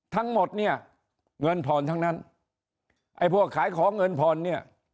ทั้งหมดเนี่ยเงินผ่อนทั้งนั้นไอ้พวกขายของเงินผ่อนเนี่ย